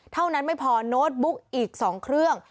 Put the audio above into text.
เท่านั้นไม่พอโน้ตบุ๊กอีก๒เครื่อง